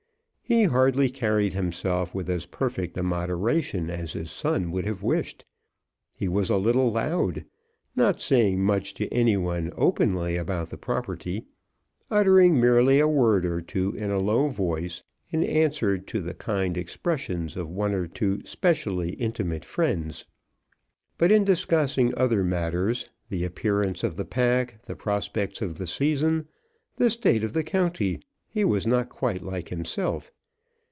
He hardly carried himself with as perfect a moderation as his son would have wished. He was a little loud, not saying much to any one openly about the property, uttering merely a word or two in a low voice in answer to the kind expressions of one or two specially intimate friends; but in discussing other matters, the appearance of the pack, the prospects of the season, the state of the county, he was not quite like himself.